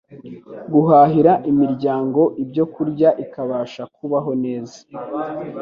guhahira imiryango ibyokurya ikabasha kubaho neza